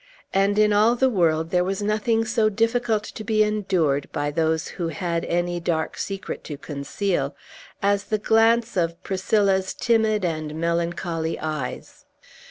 And in all the world there was nothing so difficult to be endured, by those who had any dark secret to conceal, as the glance of Priscilla's timid and melancholy eyes.